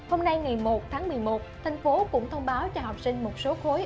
hôm nay ngày một tháng một mươi một thành phố cũng thông báo cho học sinh một số khối